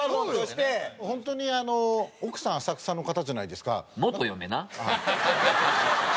本当に奥さん浅草の方じゃないですか。